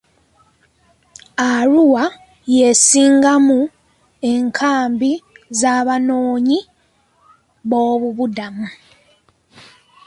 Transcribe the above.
Arua y'esingamu enkambi z'abanoonyiboobubudamu.